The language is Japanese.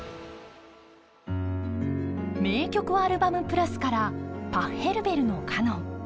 「名曲アルバム＋」から「パッヘルベルのカノン」。